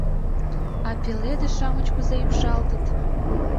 А пеледыш-шамыч кузе ӱпшалтыт...